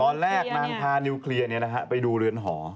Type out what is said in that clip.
ตอนแรกนางพานีเนวเคลียร์ไปดูเรือนหอ